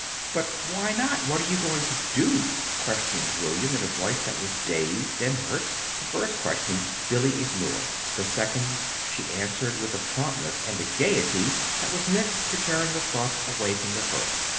"But why not? What are you going to do?" questioned William in a voice that was dazed and hurt. The first question Billy ignored. The second she answered with a promptness and a gayety that was meant to turn the thoughts away from the first.